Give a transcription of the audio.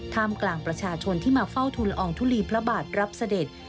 กลางประชาชนที่มาเฝ้าทุนละอองทุลีพระบาทรับเสด็จ